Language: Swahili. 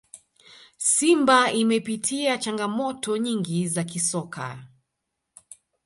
simba imepitia changamoto nyingi za kisoka